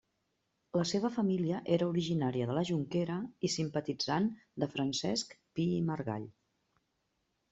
La seva família era originària de la Jonquera i simpatitzant de Francesc Pi i Margall.